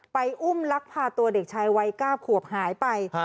ไปอุ้มลักษณ์พาตัวเด็กชายวัยกล้าผวบหายไป